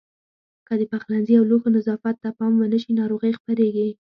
که د پخلنځي او لوښو نظافت ته پام ونه شي ناروغۍ خپرېږي.